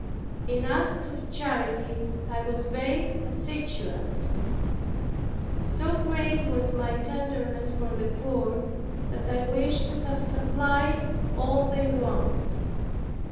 In acts of charity I was very assiduous. So great was my tenderness for the poor, that I wished to have supplied all their wants.